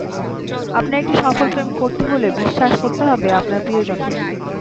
আপনার একটি সফল প্রেম করতে হলে, বিশ্বাস করতে হবে আপনার প্রিয়জনকে।